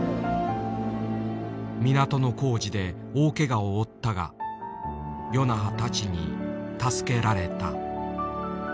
港の工事で大けがを負ったが与那覇たちに助けられた。